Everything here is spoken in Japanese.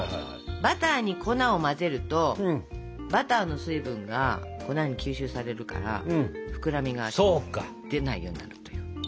バターに粉を混ぜるとバターの水分が粉に吸収されるから膨らみが出ないようになるという。